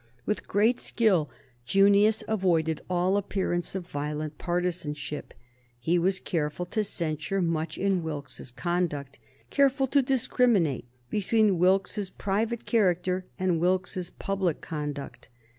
With great skill Junius avoided all appearance of violent partisanship. He was careful to censure much in Wilkes's conduct, careful to discriminate between Wilkes's private character and Wilkes's public conduct.